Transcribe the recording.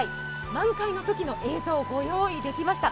満開のときの映像をご用意できました。